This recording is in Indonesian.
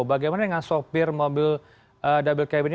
bagaimana dengan sopir mobil double cabin ini